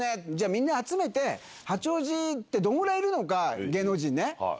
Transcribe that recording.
みんな集めて八王子ってどんぐらいいるのか芸能人ね。